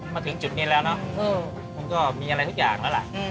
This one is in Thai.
มาถึงจุดนี้แล้วเนอะมันก็มีอะไรทุกอย่างแล้วล่ะ